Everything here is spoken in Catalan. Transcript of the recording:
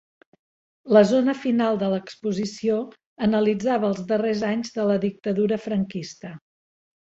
La zona final de l'exposició analitzava els darrers anys de la dictadura franquista.